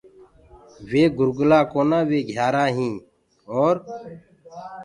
وي گُرگلآ ڪونآ وي گھيآرآ هينٚ اور